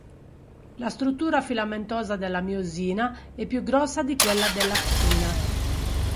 La struttura filamentosa della miosina è più grossa di quella dell'actina.